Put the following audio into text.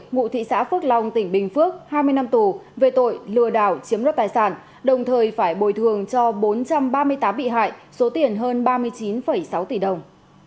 ngụ thị xã phước long tỉnh bình phước hai mươi năm tù về tội lừa đảo chiếm đoạt tài sản đồng thời phải bồi thường cho bốn trăm ba mươi tám bị hại số tiền hơn ba mươi chín sáu tỷ đồng